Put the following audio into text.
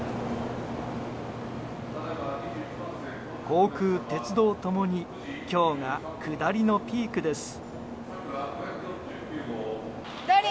航空・鉄道共に今日が下りのピークです。